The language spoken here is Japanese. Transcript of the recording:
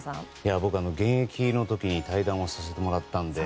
僕、現役の時に対談させてもらったので。